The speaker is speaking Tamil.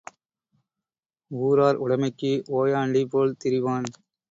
ஊரார் உடைமைக்கு ஓயாண்டி போல் திரிவான்.